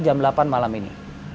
jam delapan malam ini